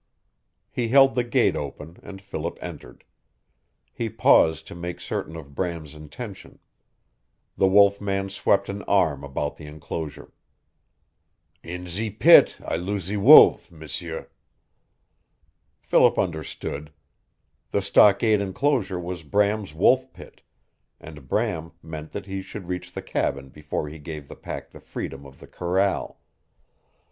He held the gate open, and Philip entered. He paused to make certain of Bram's intention. The wolf man swept an arm about the enclosure. "In ze pit I loose ze wolve, m'sieu." Philip understood. The stockade enclosure was Bram's wolf pit, and Bram meant that he should reach the cabin before he gave the pack the freedom of the corral.